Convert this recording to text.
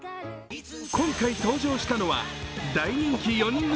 今回登場したのは、大人気４人組